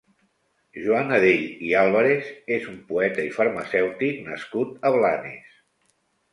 Joan Adell i Àlvarez és un poeta i farmacèutic nascut a Blanes.